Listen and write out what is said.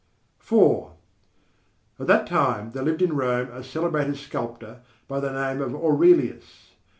IV At that time there lived in Rome a celebrated sculptor by the name of Aurelius.